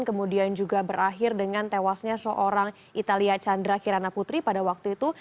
kemudian juga berakhir dengan tewasnya seorang italia chandra kirana putri pada waktu itu